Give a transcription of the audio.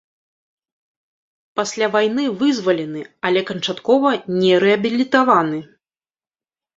Пасля вайны вызвалены, але канчаткова не рэабілітаваны.